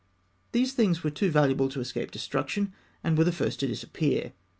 These things were too valuable to escape destruction, and were the first to disappear.